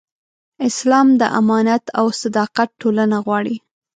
اسلام د امانت او صداقت ټولنه غواړي.